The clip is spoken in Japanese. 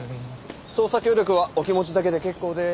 捜査協力はお気持ちだけで結構です。